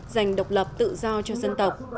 dành độc lập tự do cho dân tộc